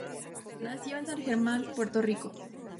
Nació en San Germán, Puerto Rico.